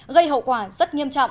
gây hiệu quả rất nghiêm trọng